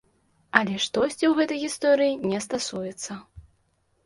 Але штосьці ў гэтай гісторыі не стасуецца.